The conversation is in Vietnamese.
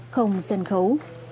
không sân khấu